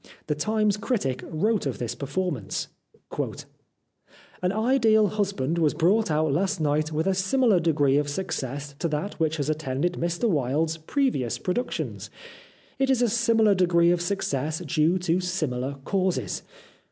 The Times critic wrote of this per formance :—"' An Ideal Husband ' was brought out last night with a similar degree of success to that which has attended Mr Wilde's previous pro ductions. It is a similar degree of success due to similar causes.